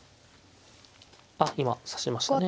あっ今指しましたね。